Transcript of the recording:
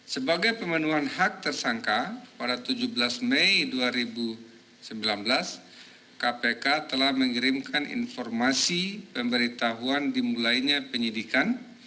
sebagai pemenuhan hak tersangka pada tujuh belas mei dua ribu sembilan belas kpk telah mengirimkan informasi pemberitahuan dimulainya penyidikan